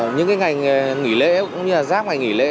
những ngày nghỉ lễ cũng như là giáp ngày nghỉ lễ